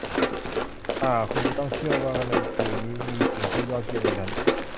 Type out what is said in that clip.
อ่า คุณจะต้องเชื่อว่าในคืนนี้มีสิ่งที่ยอดเยี่ยมในนั้น